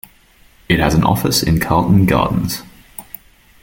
It has an office in Carlton Gardens.